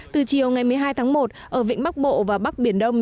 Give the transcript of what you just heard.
từ chiều ngày một mươi hai tháng một ở vịnh bắc bộ và bắc biển đông